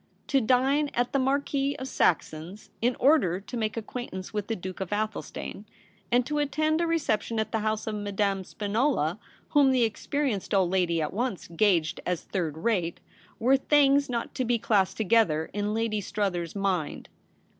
To dine at the Marquis of Saxon's in order to make acquaintance with the Duke of Athelstane, and to attend a reception at the house of Madame Spinola, whom the experienced old lady at once gauged as third rate, w^ere things not to be classed together in Lady Struthers' mind.